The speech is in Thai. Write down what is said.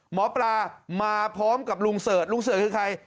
หมอปลามาพร้อมกับลุงเสิร์ชลุงเสิร์ชคือใคร